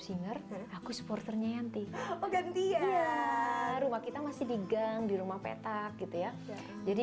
singer aku supporternya yanti oh gantian rumah kita masih digang di rumah petak gitu ya jadi